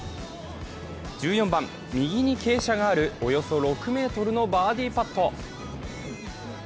１４番、右に傾斜があるおよそ６ｍのバーディーパット。